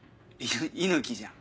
猪木じゃん。